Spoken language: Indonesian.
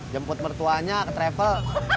jemput mertuanya ke travel